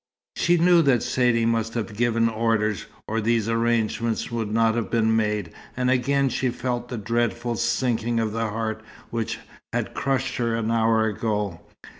She knew that Saidee must have given orders, or these arrangements would not have been made, and again she felt the dreadful sinking of the heart which had crushed her an hour ago.